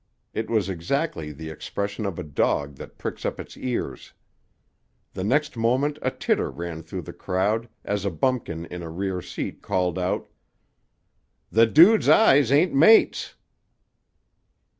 It was exactly the expression of a dog that pricks up its ears. The next moment a titter ran through the crowd as a bumpkin in a rear seat called out: "The dude's eyes ain't mates!"